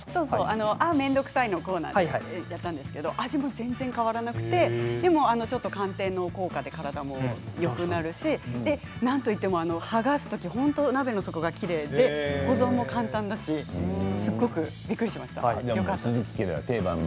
「あーめんどくさい」のコーナーでやったですけど味も全然、変わらなくてちょっと寒天の効果で体もよくなるしなんといっても剥がす時、本当に鍋の底がきれいで鈴木家では定番の。